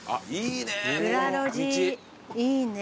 いいね。